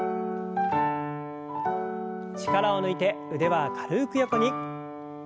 力を抜いて腕は軽く横に。